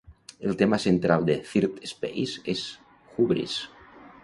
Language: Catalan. El tema central de "Thirdspace" és hubris.